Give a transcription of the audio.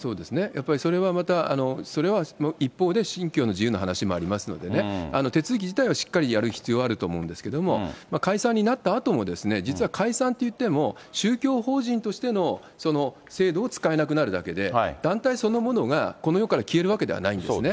やっぱりそれはまた、それは一方で、信教の自由の話もありますのでね、手続き自体はしっかりやる必要あると思うんですけれども、解散になったあとも、実は解散といっても、宗教法人としての制度を使えなくなるだけで、団体そのものがこの世から消えるわけではないんですね。